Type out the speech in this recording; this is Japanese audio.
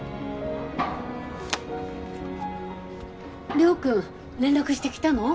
亮君連絡してきたの？